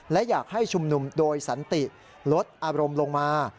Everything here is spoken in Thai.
และอยากให้ชุมนุมโดยสันติลดอารมณ์ลงมา